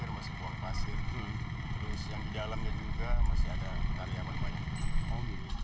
terus yang di dalamnya juga masih ada karya banyak banyak